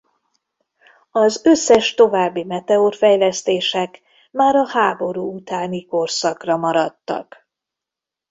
Az összes további Meteor fejlesztések már a háború utáni korszakra maradtak.